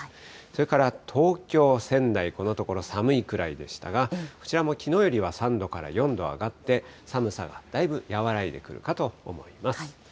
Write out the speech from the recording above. それから、東京、仙台、このところ寒いくらいでしたが、こちらも、きのうよりは３度から４度上がって、寒さがだいぶ和らいでくるかと思います。